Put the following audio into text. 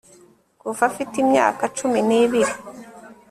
kuva afite imyaka cumi n'ibiri